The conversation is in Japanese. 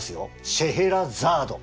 「シェエラザード」！